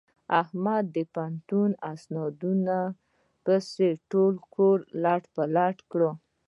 احمد د پوهنتون په اسنادونو پسې ټول کور لت پت کړ.